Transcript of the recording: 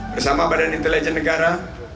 bersama badan intelijen negara